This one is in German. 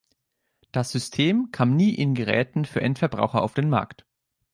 Das System kam nie in Geräten für Endverbraucher auf den Markt.